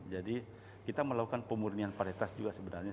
jadi kita melakukan pemurnian varietas juga sebenarnya